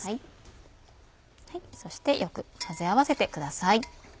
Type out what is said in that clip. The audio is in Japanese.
そしてよく混ぜ合わせてください。